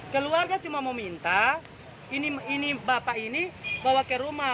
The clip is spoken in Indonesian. keluarga cuma meminta ini bapak ini bawa ke rumah